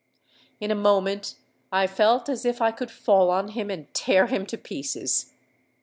In a moment I felt as if I could fall on him, and tear him to pieces.